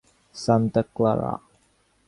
Santa Clara.